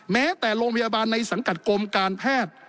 แม้แต่โรงพยาบาลในสังกัดกรมการแพทย์